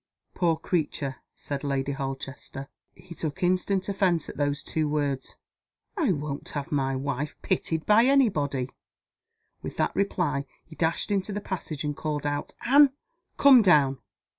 "Poor creature!" said Lady Holchester. He took instant offense at those two words. "I won't have my wife pitied by any body." With that reply, he dashed into the passage; and called out, "Anne! come down!"